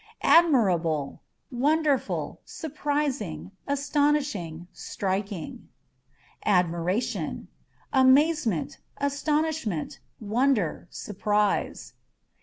Admirable: â€" wonderful, surprising, astonishing, striking. Admiration â€" amazement, astonishment, wonder, surprise.